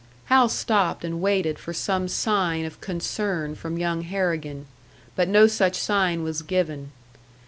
Hal stopped and waited for some sign of concern from young Harrigan. But no such sign was given.